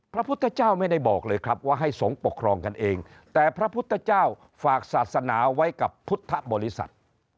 พระพุทธเจ้าไม่ได้บอกเลยครับว่าให้สงฆ์ปกครองกันเองแต่พระพุทธเจ้าฝากศาสนาไว้กับพุทธบริษัท